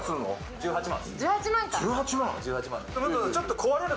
１８万